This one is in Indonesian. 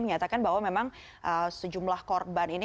menyatakan bahwa memang sejumlah korban ini